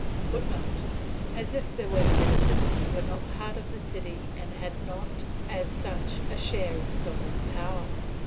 [Footnote: As if there were citizens who were not part of the city and had not, as such, a share in sovereign power!